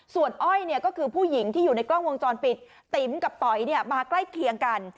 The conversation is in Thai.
ส่วนอ้อยก็คือผู้หญิงที่อยู่ในกล้องวงจรปิดติ๋มกับต๋อยมาใกล้เคียงกัน